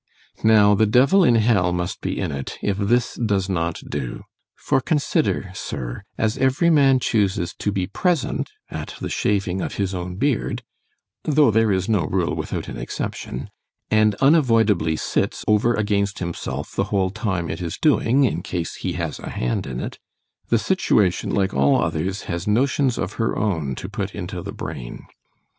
Now the devil in hell must be in it, if this does not do: for consider, Sir, as every man chuses to be present at the shaving of his own beard (though there is no rule without an exception), and unavoidably sits over against himself the whole time it is doing, in case he has a hand in it—the Situation, like all others, has notions of her own to put into the brain.